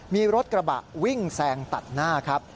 มีรถกระบะวิ่งแซงตัดหน้าครับ